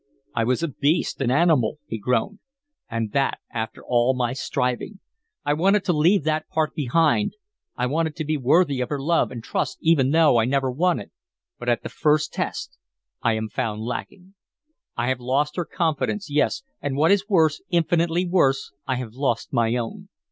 "I was a beast, an animal," he groaned, "and that after all my striving. I wanted to leave that part behind, I wanted to be worthy of her love and trust even though I never won it, but at the first test I am found lacking. I have lost her confidence, yes and what is worse, infinitely worse, I have lost my own.